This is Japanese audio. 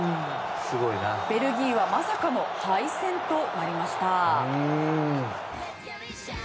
ベルギーはまさかの敗戦となりました。